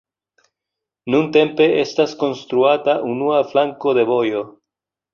Nuntempe estas konstruata unua flanko de vojo.